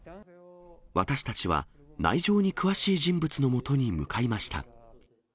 私たちは、内情に詳しい人物のもとに向かいました。